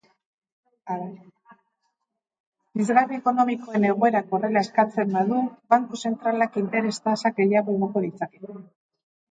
Pizgarri ekonomikoen egoerak horrela eskatzen badu, banku zentralak interes-tasak gehiago igoko ditzake.